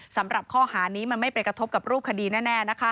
สำหรับข้อหานี้มันไม่ไปกระทบกับรูปคดีแน่